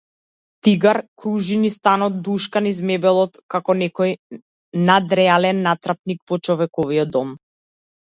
Тигар кружи низ станот, душка низ мебелот како некој надреален натрапник во човечкиот дом.